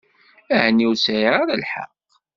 Ɛni ur sɛiɣ ara lḥeqq?